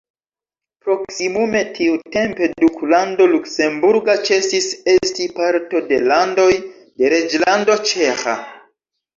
Proksimume tiutempe Duklando luksemburga ĉesis esti parto de landoj de Reĝlando ĉeĥa.